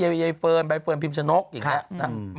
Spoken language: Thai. ยายเฟิร์นใบเฟิร์นพิมพ์สนกอย่างนี้